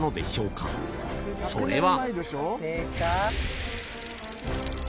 ［それは］